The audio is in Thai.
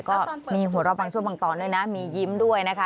ก็มีหัวเราะบางช่วงบางตอนด้วยนะมียิ้มด้วยนะคะ